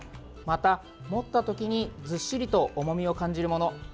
また、持った時にずっしりと重みを感じるもの。